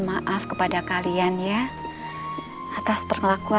siapa anticipation dengan dia